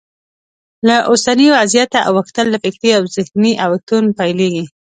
له اوسني وضعیته اوښتل له فکري او ذهني اوښتون پیلېږي.